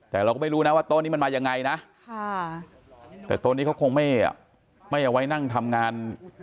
แต่เราก็ไม่รู้นะว่าโต๊ะนี้มันมายังไงนะแต่โต๊ะนี้เขาคงไม่เอาไว้นั่งทำงาน